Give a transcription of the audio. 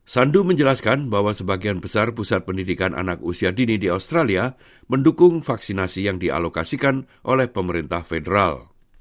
sandu menjelaskan bahwa sebagian besar pusat pendidikan anak usia dini di australia mendukung vaksinasi yang dialokasikan oleh pemerintah federal